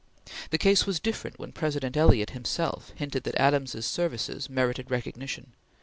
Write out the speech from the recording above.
The case was different when President Eliot himself hinted that Adams's services merited recognition.